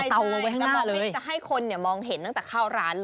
จะให้คนมองเห็นตั้งแต่เข้าร้านเลย